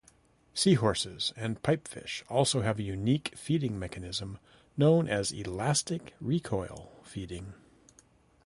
Seahorses and pipefish also have a unique feeding mechanism, known as elastic recoil feeding.